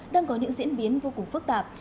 đang có những diễn biến vô cùng phức tạp